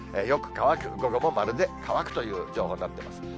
よく乾く、午後も丸で乾くという情報になってます。